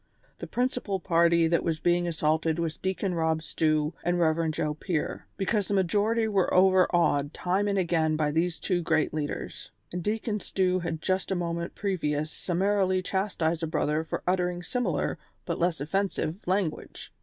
The prin cipal party that was being assaulted was Deacon Eob Stew and Rev. Joe Pier, because the majority were over awed time and again by these two great leaders ; and Deacon Stew had just a moment previous summarily chastised a brother for uttering similar, but less offensive, language.